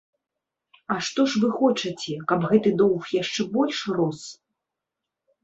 А што ж вы хочаце, каб гэты доўг яшчэ больш рос?